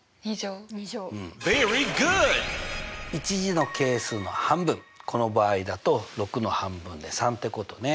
１次の係数の半分この場合だと６の半分で３ってことね。